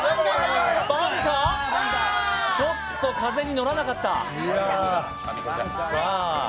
バンカー、ちょっと風に乗らなかった。